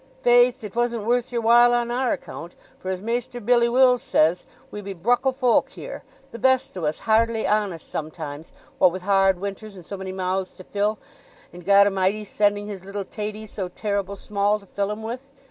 "Faith, it wasn't worth your while on our account, for as Maister Billy Wills says, we be bruckle folk here—the best o' us hardly honest sometimes, what with hard winters, and so many mouths to fill, and Goda'mighty sending his little taties so terrible small to fill 'em with.